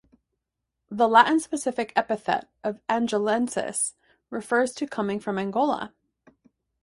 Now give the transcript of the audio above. The Latin specific epithet of "angolensis" refers to coming from Angola.